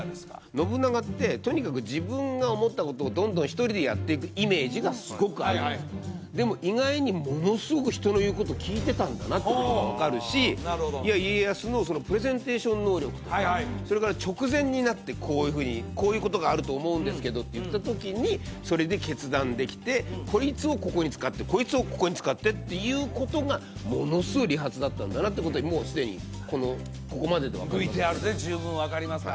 信長ってとにかく自分が思ったことをどんどん１人でやっていくイメージがすごくあるんですでも意外にものすごく人の言うこと聞いてたんだなってことが分かるしいや家康のプレゼンテーション能力とかそれから直前になってこういうふうにこういうことがあると思うんですけどっていった時にそれで決断できてこいつをここに使ってこいつをここに使ってっていうことがものすごい利発だったんだなってことでもうすでにここまでで分かりますよね